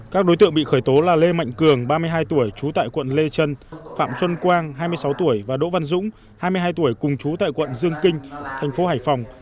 các đối tượng bị khởi tố là lê mạnh cường ba mươi hai tuổi trú tại quận lê trân phạm xuân quang hai mươi sáu tuổi và đỗ văn dũng hai mươi hai tuổi cùng chú tại quận dương kinh thành phố hải phòng